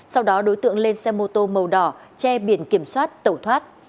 sau đó đối tượng lên xe mô tô màu đỏ che biển kiểm soát tẩu thoát